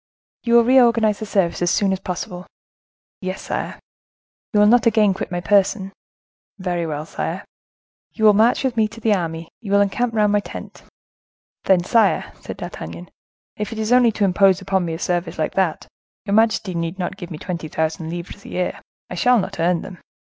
You will reorganize the service as soon as possible." "Yes, sire." "You will not again quit my person." "Very well, sire." "You will march with me to the army, you will encamp round my tent." "Then, sire," said D'Artagnan, "if it is only to impose upon me a service like that, your majesty need not give me twenty thousand livres a year. I shall not earn them."